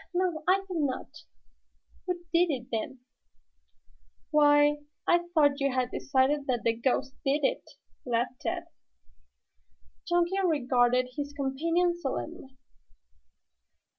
"No, I think not." "Who did it, then?" "Why, I thought you had decided that the ghost did it?" laughed Tad. Chunky regarded his companion solemnly.